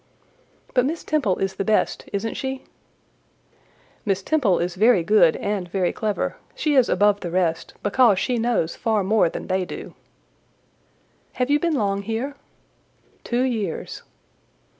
"But Miss Temple is the best—isn't she?" "Miss Temple is very good and very clever; she is above the rest, because she knows far more than they do." "Have you been long here?" "Two years."